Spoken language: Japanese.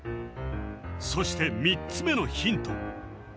そして３つ目のヒント